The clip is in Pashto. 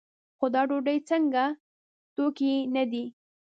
خو دا ډوډۍ ځکه توکی نه دی.